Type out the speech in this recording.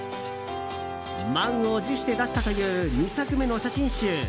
満を持して出したという２作目の写真集。